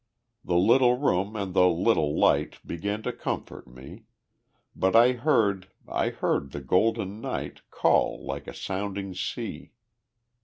The little room and the little light Began to comfort me; But I heard I heard the golden night Call like a sounding sea.